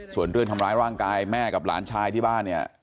ส่วนเรื่องทำร้ายร่างกายแม่กับหลานชายที่บ้านเนี่ย